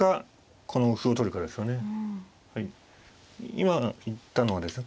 今言ったのはですね